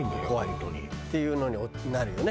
本当に。っていうのになるよね